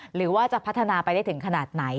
หรือว่าจะพัฒนาไปได้ถึงขนาดไหน